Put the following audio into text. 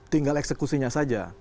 tinggal eksekusinya saja